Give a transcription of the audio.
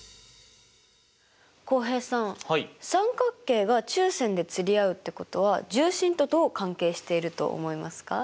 浩平さん三角形が中線で釣り合うってことは重心とどう関係していると思いますか？